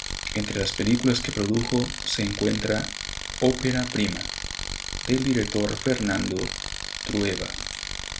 Entre las películas que produjo se encuentra "Ópera prima" del director Fernando Trueba.